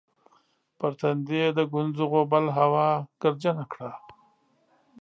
پر تندي یې د ګونځو غوبل هوا ګردجنه کړه